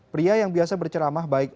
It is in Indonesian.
pria yang biasa berceramah baik